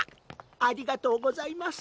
ありがとうございます。